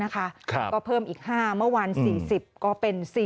ก็เพิ่มอีก๕เมื่อวาน๔๐ก็เป็น๔๐